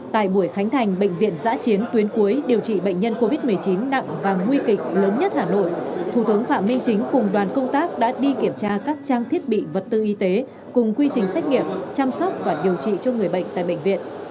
tại buổi khánh thành bệnh viện giã chiến tuyến cuối điều trị bệnh nhân covid một mươi chín nặng và nguy kịch lớn nhất hà nội thủ tướng phạm minh chính cùng đoàn công tác đã đi kiểm tra các trang thiết bị vật tư y tế cùng quy trình xét nghiệm chăm sóc và điều trị cho người bệnh tại bệnh viện